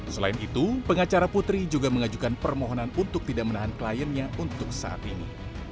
selain itu pengacara putri juga mengajukan permohonan untuk tidak menahan kliennya untuk saat ini